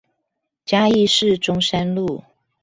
嘉義市中山路